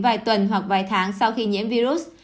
vài tuần hoặc vài tháng sau khi nhiễm virus